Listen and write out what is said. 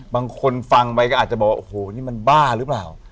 บางคนฟังไปก็อาจจะบอกโอ้โหนี่มันบ้าหรือเปล่า